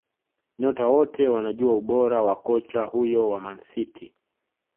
Nyota wote wanajua ubora wa kocha huyo wa Man City